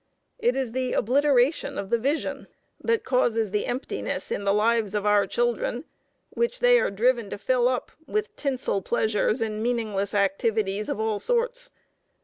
It is the obliteration of the Vision that causes the emptiness in the lives of our children which they are driven to fill up with tinsel pleasures and meaningless activities of all sorts.